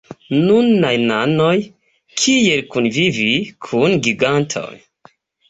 Nunaj nanoj: kiel kunvivi kun giganto?